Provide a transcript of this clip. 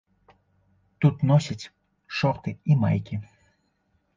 Тут носяць шорты і майкі.